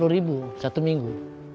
lima puluh ribu satu minggu